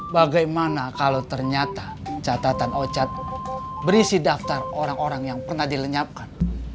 bagaimana kalau ternyata catatan ocat berisi daftar orang orang yang pernah dilenyapkan